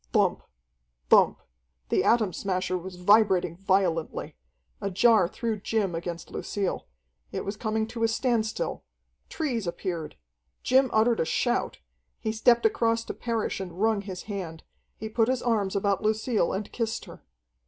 Thump, thump! The Atom Smasher was vibrating violently. A jar threw Jim against Lucille. It was coming to a standstill. Trees appeared. Jim uttered a shout. He stepped across to Parrish and wrung his hand. He put his arms about Lucille and kissed her.